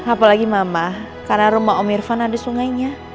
apalagi mama karena rumah om irvan ada sungainya